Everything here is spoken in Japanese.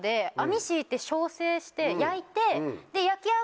して焼いて。